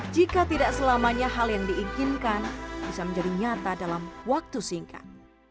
jika tidak selamanya hal yang diinginkan bisa menjadi nyata dalam waktu singkat